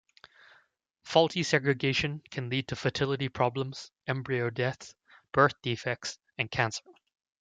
Faulty segregation can lead to fertility problems, embryo death, birth defects, and cancer.